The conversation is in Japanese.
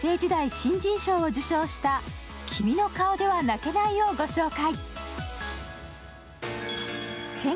新人賞を受賞した「君の顔では泣けない」をご紹介。